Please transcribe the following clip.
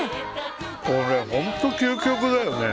これホント究極だよね